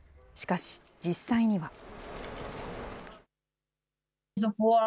しかし実際には。